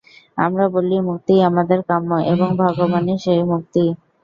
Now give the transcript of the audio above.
আমরা বলি মুক্তিই আমাদের কাম্য, এবং ভগবানই সেই মুক্তি।